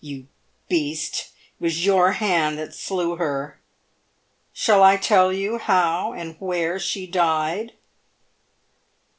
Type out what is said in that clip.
You beast, it was your hand that slew her. Shall I tell you how and where she died